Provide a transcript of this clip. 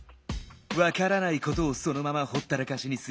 わからないことをそのままほったらかしにする。